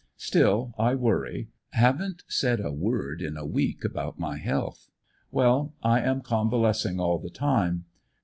Still I worry. Haven't said a word in a week about my health. Well, I am convalescing all the time.